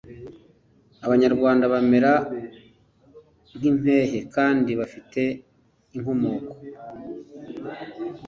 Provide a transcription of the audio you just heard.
Abanyarwanda bamera nk’impehe kandi bafite inkomoko